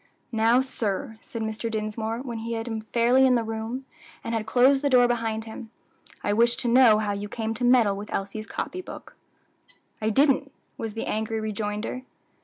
"Now, sir," said Mr. Dinsmore, when he had him fairly in the room, and had closed the door behind them, "I wish to know how you came to meddle with Elsie's copy book." "I didn't," was the angry rejoinder.